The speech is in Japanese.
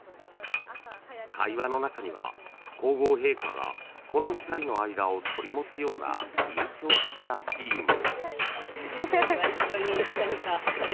会話の中には、皇后陛下がこの２人の間を取り持つような印象的なシーンも。